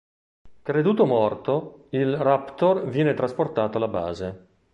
Creduto morto, il raptor viene trasportato alla base.